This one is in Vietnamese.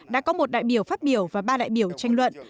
đã có một đại biểu phát biểu và ba đại biểu tranh luận